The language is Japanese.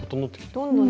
どんどんね